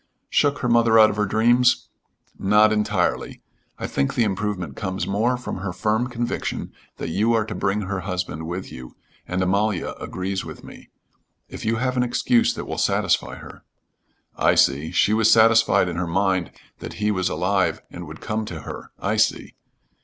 Shook her mother out of her dreams." "Not entirely. I think the improvement comes more from her firm conviction that you are to bring her husband with you, and Amalia agrees with me. If you have an excuse that will satisfy her " "I see. She was satisfied in her mind that he was alive and would come to her I see.